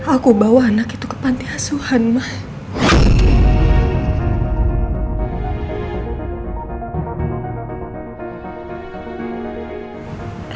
aku bawa anak itu ke pantai asuhan mbak